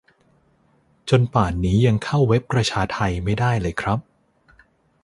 จนป่านนี้ยังเข้าเว็บประชาไทไม่ได้เลยครับ